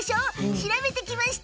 調べてきました。